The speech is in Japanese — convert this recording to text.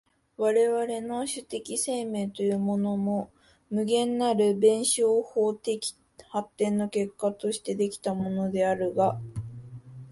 我々の種的生命というものも、無限なる弁証法的発展の結果として出来たものであるが、